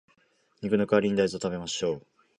肉の代わりに大豆を食べましょう